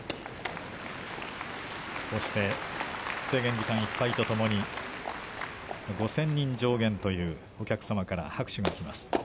制限時間いっぱいとともに５０００人上限というお客様から拍手がきます。